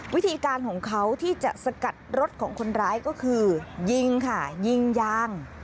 วิธีการของเขาที่จะสกัดรถของคนร้ายก็คือยิงค่ะยิงยาง